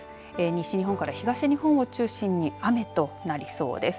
西日本から東日本を中心に雨となりそうです。